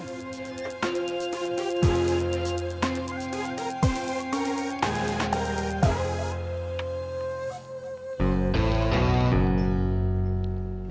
gak mau kalau disebut lemah iman